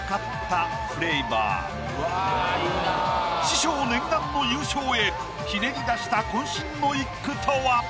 師匠念願の優勝へひねり出した渾身の一句とは？